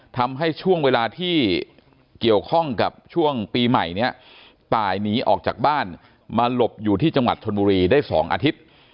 ทำให้ช่วงเวลาที่เกี่ยวข้องกับช่วงปีใหม่เนี่ยตายหนีออกจากบ้านมาหลบอยู่ที่จังหวัดชนบุรีได้๒อาทิตย์